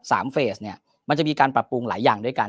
เฟสเนี่ยมันจะมีการปรับปรุงหลายอย่างด้วยกัน